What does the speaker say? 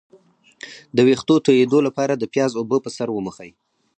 د ویښتو تویدو لپاره د پیاز اوبه په سر ومښئ